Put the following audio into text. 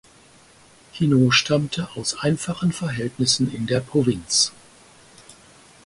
Quinault stammte aus einfachen Verhältnissen in der Provinz.